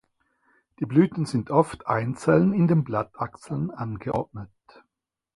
Die Blüten sind oft einzeln in den Blattachseln angeordnet.